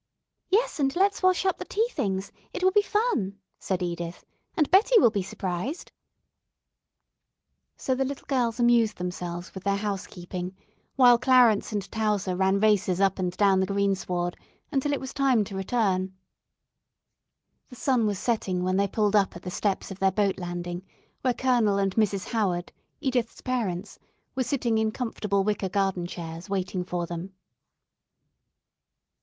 "Yes, and let's wash up the tea things. It will be fun," said Edith, "and Betty will be surprised." So the little girls amused themselves with their housekeeping, while Clarence and Towser ran races up and down the greensward until it was time to return. [Illustration: OLDHAM MANOR] The sun was setting when they pulled up at the steps of their boat landing where Colonel and Mrs. Howard, Edith's parents, were sitting in comfortable wicker garden chairs, waiting for them.